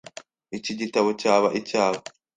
Iki gitabo cyaba icyawe?